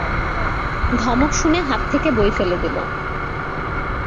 ধমক শুনে হাত থেকে বই ফেলে দিল।